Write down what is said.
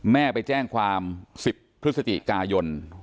แม่ไปแจ้งความ๑๐พฤศจิกายน